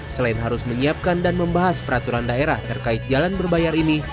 selain harus menyiapkan dan membahas peraturan daerah terkait jalan berbayar ini